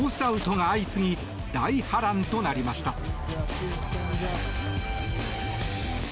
アウトが相次ぎ大波乱となりました。